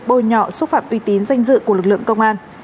bôi nhọ xúc phạm uy tín danh dự của lực lượng công an